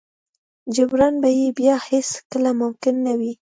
جبران به يې بيا هېڅ کله ممکن نه وي.